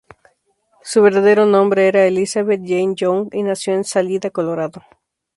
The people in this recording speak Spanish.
Su verdadero nombre era Elizabeth Jane Young, y nació en Salida, Colorado.